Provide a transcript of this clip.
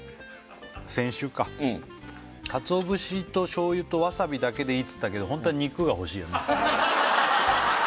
先週か鰹節と醤油とわさびだけでいいっつったけど本当は肉が欲しいよね